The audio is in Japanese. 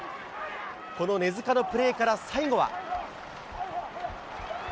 この根塚のプレーから最後は。